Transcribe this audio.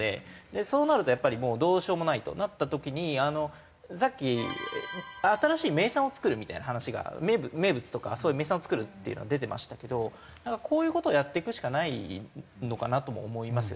そうなるとやっぱりもうどうしようもないとなった時にさっき新しい名産を作るみたいな話が名物とか名産を作るっていうのが出てましたけどこういう事をやっていくしかないのかなとも思いますよね。